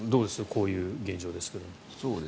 こういう現状ですけど。